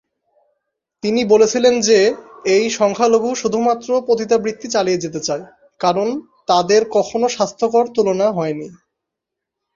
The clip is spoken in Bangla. তিনি বলেছিলেন যে এই সংখ্যালঘু শুধুমাত্র পতিতাবৃত্তি চালিয়ে যেতে চায় কারণ "তাদের কখনও স্বাস্থ্যকর তুলনা হয়নি।"